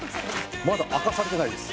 まだ明かされてないです。